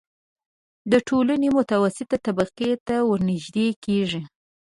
د ټولنې متوسطې طبقې ته ورنژدې کېږي.